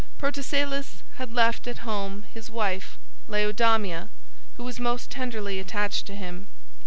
Protesilaus had left at home his wife, Laodamia, who was most tenderly attached to him.